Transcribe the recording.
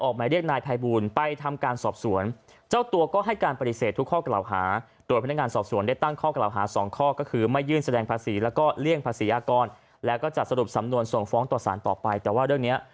ผมไม่รู้เรื่องจริง